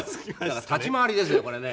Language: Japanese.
立ち回りですよこれね。